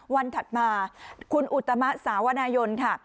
ถัดมาคุณอุตมะสาวนายนค่ะ